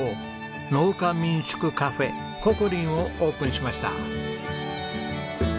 農家民宿カフェｃｏｃｏ−Ｒｉｎをオープンしました。